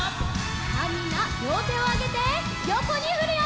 さあみんなりょうてをあげてよこにふるよ！